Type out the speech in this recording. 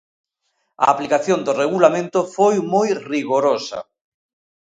A aplicación do regulamento foi moi rigorosa.